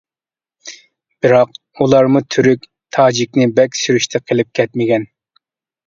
بىراق ئۇلارمۇ تۈرك، تاجىكنى بەك سۈرۈشتە قىلىپ كەتمىگەن.